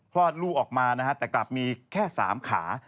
คลอดลูกออกมานะฮะแต่กลับมีแค่๓ขา